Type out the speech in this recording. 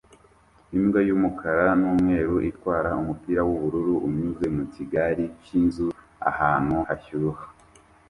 Imbwa y'umukara n'umweru itwara umupira w'ubururu unyuze mu gikari cy'inzu ahantu hashyuha